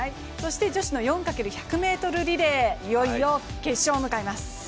女子の４×１００ｍリレー、いよいよ決勝を迎えます。